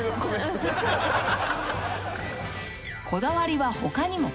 ［こだわりは他にも］